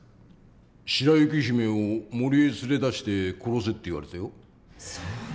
白雪姫を森へ連れ出して殺せって言われたよ。